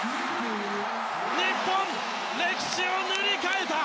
日本、歴史を塗り替えた！